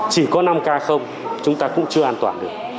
chỉ có năm k không chúng ta cũng chưa an toàn được